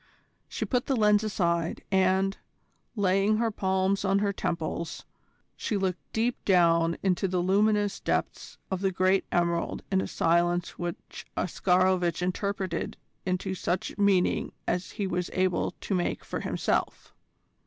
She put the lens aside, and, laying her palms on her temples, she looked deep down into the luminous depths of the great emerald in a silence which Oscarovitch interpreted into such meaning as he was able to make for himself.